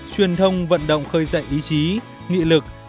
truyền thông vận động khơi dậy ý chí nghị lực